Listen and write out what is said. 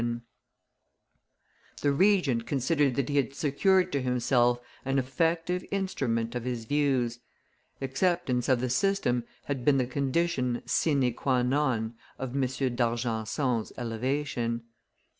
] The Regent considered that he had secured to himself an effective instrument of his views; acceptance of the system had been the condition sine qua non of M. d'Argenson's elevation.